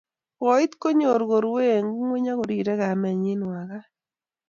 koit konyor korue engingweny, akorire kamenyi wakat